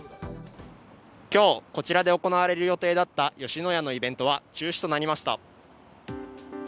きょう、こちらで行われる予定だった吉野家のイベントは中止となりました。